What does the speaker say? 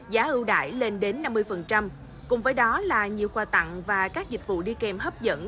giá ưu đại lên đến năm mươi cùng với đó là nhiều quà tặng và các dịch vụ đi kèm hấp dẫn